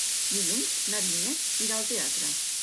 Dilluns na Vinyet irà al teatre.